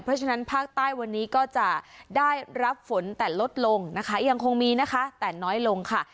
เพราะฉะนั้นภาคใต้วันนี้ก็จะได้รับฝนแต่ลดลงนะคะยังคงมีนะคะแต่น้อยลงค่ะ